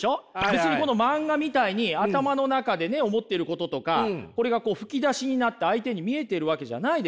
別にこの漫画みたいに頭の中でね思ってることとかこれが吹き出しになって相手に見えてるわけじゃないですから。